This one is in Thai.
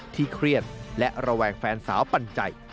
เครียดและระแวงแฟนสาวปันใจ